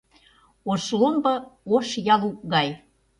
Ош ломбо ош ялук гай